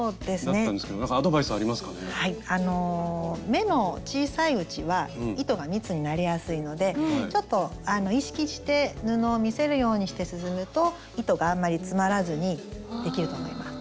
目の小さいうちは糸が密になりやすいのでちょっと意識して布を見せるようにして進むと糸があんまり詰まらずにできると思います。